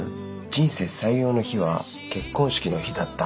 「人生最良の日は結婚式の日だった。